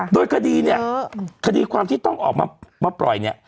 โดยคดีเนี่ยคดีความที่ต้องออกมาปล่อยเนี่ย